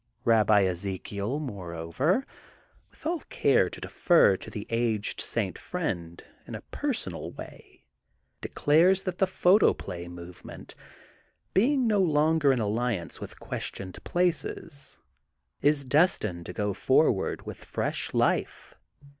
Babbi Ezekiel, moreover, with all care to defer to the aged St. Friend in a personal way, declares that the photoplay movement, being no longer in alUance with questioned places, is destined to go forward with fresh life.